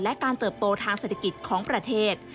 และการเติบโตทางเศรษฐกิจของประเทศ